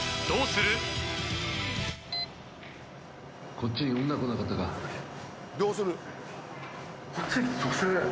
どうする？］